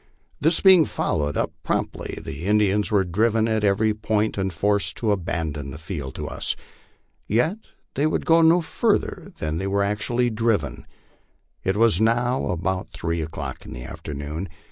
This being followed up promptly, the Indians were driven at every point and forced to abandon the field to us. Yet they would go no further than they were actually driven. It was now about three o'clock in the afternoon.